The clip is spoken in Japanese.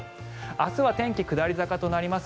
明日は天気下り坂になります。